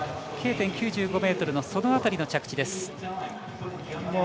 Ｋ点９５ｍ、その辺りの着地です。